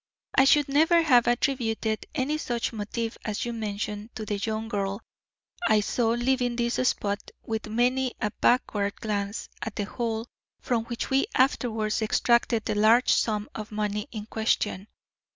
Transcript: I should never have attributed any such motive as you mention to the young girl I saw leaving this spot with many a backward glance at the hole from which we afterwards extracted the large sum of money in question.